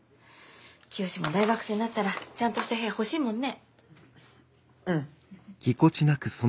きよしも大学生になったらちゃんとした部屋欲しいもんね。